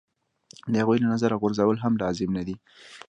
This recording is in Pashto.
د هغوی له نظره غورځول هم لازم نه دي.